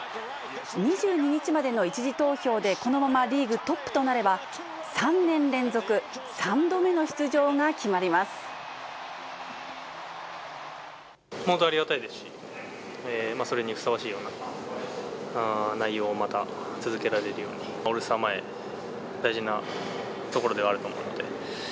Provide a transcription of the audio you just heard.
２２日までの１次投票でこのままリーグトップとなれば、３年連続本当ありがたいですし、それにふさわしいような内容をまた続けられるように、オールスター前、大事なところではあると思うので。